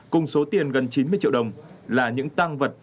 cùng số tiền gần chín mươi triệu đồng là những tăng vật